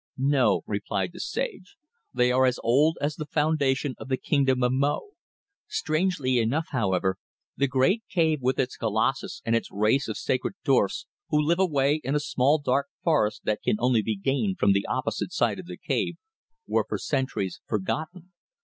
"No," replied the sage. "They are as old as the foundation of the Kingdom of Mo. Strangely enough, however, the great cave with its colossus and its race of sacred dwarfs who live away in a small dark forest that can only be gained from the opposite side of the cave, were for centuries forgotten.